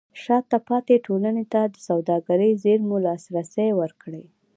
شاته پاتې ټولنې ته د سوداګرۍ زېرمو لاسرسی ورکړئ.